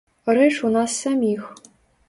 Рэч у нас саміх.